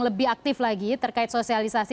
lebih aktif lagi terkait sosialisasi